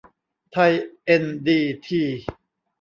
ไทย เอ็น ดี ที